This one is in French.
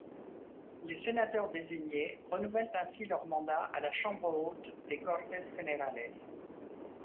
Les sénateurs désignés renouvellent ainsi leur mandat à la chambre haute des Cortes Generales.